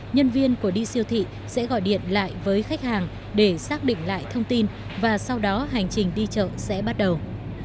nhân viên của đi siêu thị sẽ gọi điện lại với khách hàng để xác định lại thông tin và sau đó hành trình đi chợ sẽ bắt đầu